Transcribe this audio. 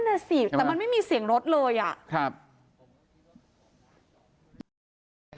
นั่นสิแต่มันไม่มีเสียงรถเลยอ่ะครับใช่ไหมครับ